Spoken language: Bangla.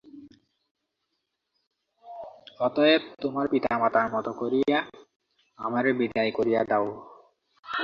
অতএব তোমার পিতা মাতার মত করিয়া আমারে বিদায় করিয়া দাও।